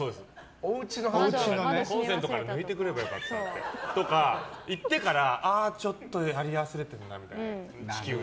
コンセントから抜いてくればよかったとか行ってから、ああちょっとやり忘れてるなみたいな。